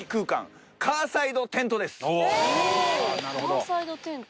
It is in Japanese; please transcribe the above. カーサイドテント。